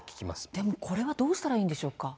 でも、これはどうすればいいんでしょうか。